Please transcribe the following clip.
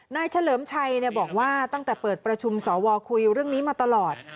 เฉลิมชัยบอกว่าตั้งแต่เปิดประชุมสวคุยเรื่องนี้มาตลอด